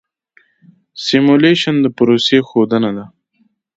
سیمولیشن د پروسې ښودنه ده.